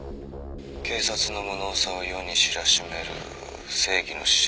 「警察の無能さを世に知らしめる正義の使者。